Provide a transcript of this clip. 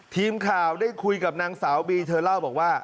ทีมข่าวได้คุยกับนางสาวบีเธอเล่าบอกว่า